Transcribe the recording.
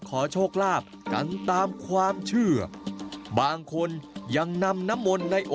ขอโชคลาภกันตามความเชื่อบางคนยังนำน้ำมนต์ในโอ